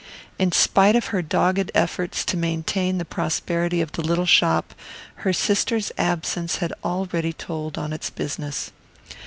In spite of her dogged efforts to maintain the prosperity of the little shop, her sister's absence had already told on its business.